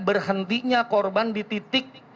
berhentinya korban di titik